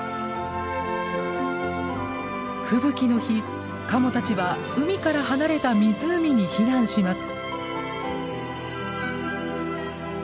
吹雪の日カモたちは海から離れた湖に避難します。